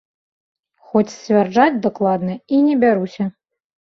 Хоць сцвярджаць дакладна і не бяруся.